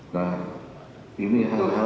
nah ini hal halnya